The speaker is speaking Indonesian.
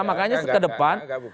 makanya ke depan